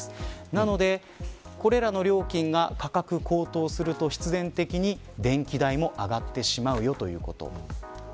なので、これらの料金が価格高騰すると必然的に電気代も上がってしまうということ。